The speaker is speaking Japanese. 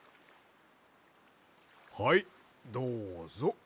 はいどうぞ。